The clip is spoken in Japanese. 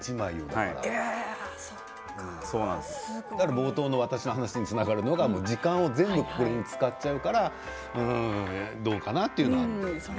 冒頭の私の話につながるのが時間を全部ここに使っちゃうからどうかなというのは。